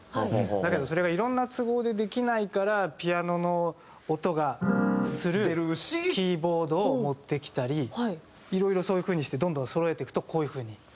だけどそれがいろんな都合でできないからピアノの音がするキーボードを持ってきたりいろいろそういう風にしてどんどんそろえていくとこういう風に。